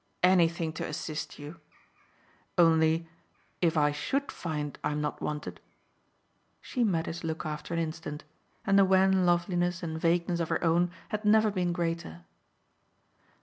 "Anything to assist you. Only, if I SHOULD find I'm not wanted ?" She met his look after an instant, and the wan loveliness and vagueness of her own had never been greater.